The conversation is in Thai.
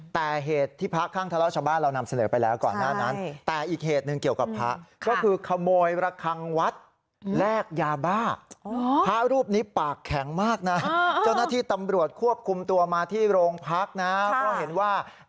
แต่เหตุที่พระคลั่งทะเลาะกับชาวบ้านเรานำเสนอไปแล้วก่อน